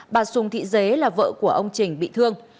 bà sùng thị dế là vợ của ông trình bị thương